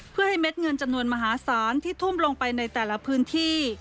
เพื่อให้เม็ดเงินจำนวนมหาศาลที่ทุ่มลงไปในแต่ละพื้นที่